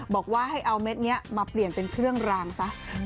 บอกว่าให้เอาเม็ดนี้มาเปลี่ยนเป็นเครื่องรางซะ